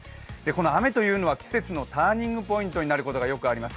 雨というのは季節のターニングポイントになるということがよくあります。